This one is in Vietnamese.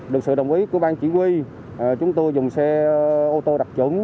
được sự đồng ý của bang chỉ huy chúng tôi dùng xe ô tô đặc trứng